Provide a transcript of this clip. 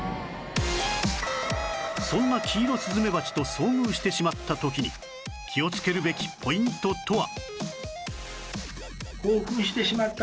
そんなキイロスズメバチと遭遇してしまった時に気をつけるべきポイントとは？